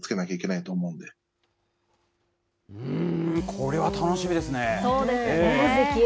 これは楽しみですね。